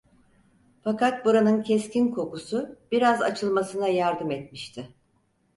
Fakat buranın keskin kokusu biraz açılmasına yardım etmişti.